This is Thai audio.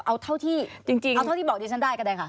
เอาเท่าที่บอกดิจันได้ก็ได้ค่ะ